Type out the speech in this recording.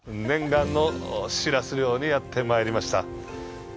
念願のしらす漁にやってまいりました。